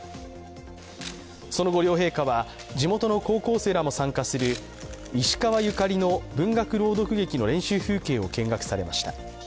その後、両陛下は、地元の高校生らも参加する石川ゆかりの文学朗読劇の練習風景を見学されました。